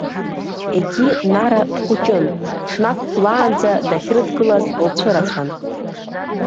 Егьи, Нара, дхәыҷын, ҽнак хәлаанӡа дахьрыдгылаз лцәырацәан.